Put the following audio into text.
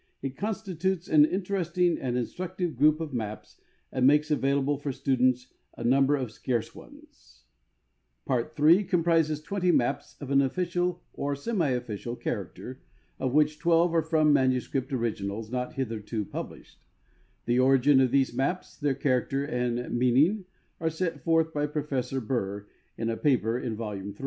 It constitutes an interesting and instructive group of maps and makes avail al^le for students a number of scarce ones. 198 THE VENEZUELAN BOUNDARY COMMISSION Part III comprises 20 maps of an official or semi official char acter, of which 12 are from manuscript originals not hitherto published. The origin of these maps, their character and mean ing are set forth b)^ Professor Burr in a paper in volume 3.